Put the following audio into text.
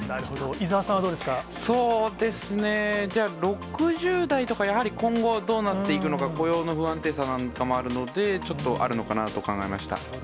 伊沢さんはどうでそうですね、じゃあ６０代とかやはり今後、どうなっていくのか、雇用の不安定さなんかもあるので、ちょっと、あるのかなぁと考えまなるほど。